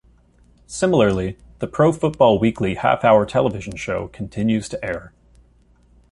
Similarly, the "Pro Football Weekly" half-hour television show continues to air.